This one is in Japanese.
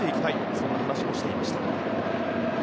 そんな話もしていました。